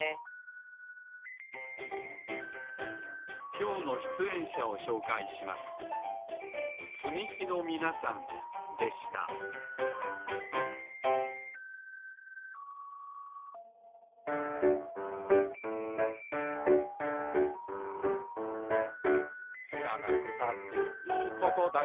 きょうのしゅつえんしゃをしょうかいしますでした「しらなくたっていいことだけど」